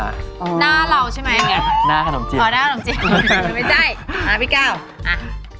หน้าเราใช่ไหมอันนี้หน้าขนมจิ้มไม่ได้พี่ก้าวอ่ะ